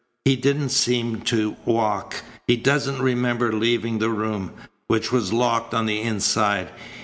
He didn't seem to walk. He doesn't remember leaving the room, which was locked on the inside.